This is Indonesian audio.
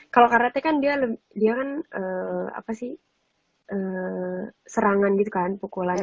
kalau karate kan dia kan apa sih serangan gitu kan pukulannya